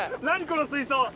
何この水槽。